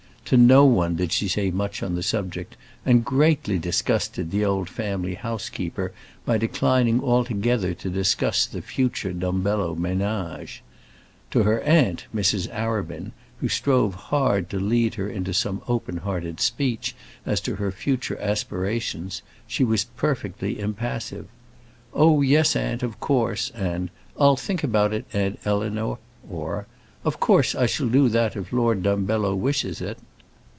To no one did she say much on the subject, and greatly disgusted the old family housekeeper by declining altogether to discuss the future Dumbello ménage. To her aunt, Mrs. Arabin, who strove hard to lead her into some open hearted speech as to her future aspirations, she was perfectly impassive. "Oh, yes, aunt, of course," and "I'll think about it, aunt Eleanor," or "Of course I shall do that if Lord Dumbello wishes it."